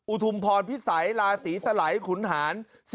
ทุมพรพิสัยราศีสลัยขุนหาร